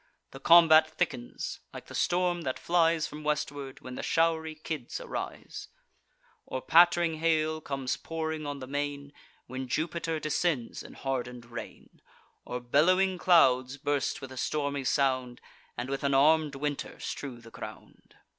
The combat thickens, like the storm that flies From westward, when the show'ry Kids arise; Or patt'ring hail comes pouring on the main, When Jupiter descends in harden'd rain, Or bellowing clouds burst with a stormy sound, And with an armed winter strew the ground.